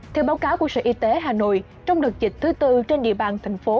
theo báo cáo của sở y tế hà nội trong đợt dịch thứ tư trên địa bàn thành phố